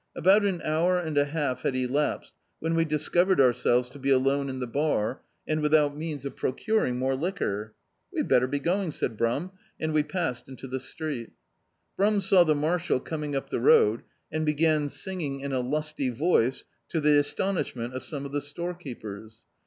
About an hour and a half had elapsed when we discovered ourselves to be alone in the har, and without means of pro curing more liquor. "We had better be going," said Brum, and we passed into the streets Brum saw the marshal coming up the road and began sin^ng in a lusty voice, to the astonishment of some of the storekeepers.